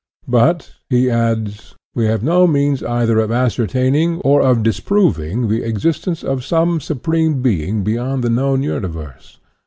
But, he adds, we have no means either of ascertaining INTRODUCTION IQ or of disproving the existence of some Supreme Being beyond the known universe.